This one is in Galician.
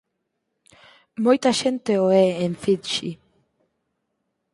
Moita xente o é en Fidxi.